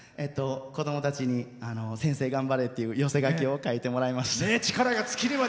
子供たちに先生頑張れっていう寄せ書きを書いてもらいました。